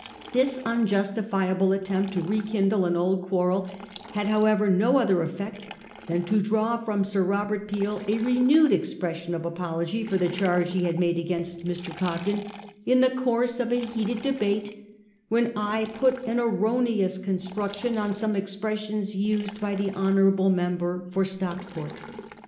TMs unjustifiable attempt to rekindle an old quarrel had, however, no other effect than to draw from Sir Robert Peel a re newed expression of apology for the charge he had made against Mr. Cobden, 'in the course of a heated debate, when I put an erroneous construction on some expressions used by the hon. member for Stockport.